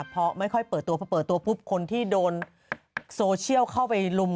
เพราะไม่ค่อยเปิดตัวพอเปิดตัวปุ๊บคนที่โดนโซเชียลเข้าไปลุม